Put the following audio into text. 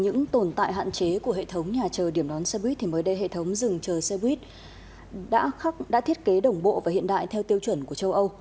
những tồn tại hạn chế của hệ thống nhà chờ điểm đón xe buýt thì mới đây hệ thống rừng chờ xe buýt đã thiết kế đồng bộ và hiện đại theo tiêu chuẩn của châu âu